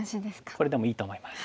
これでもいいと思います。